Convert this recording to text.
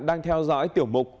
đang theo dõi tiểu mục